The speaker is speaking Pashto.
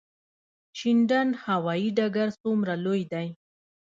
شینډنډ هوايي ډګر څومره لوی دی؟